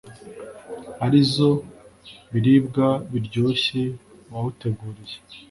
ari zo biribwa biryoshye wawuteguriye.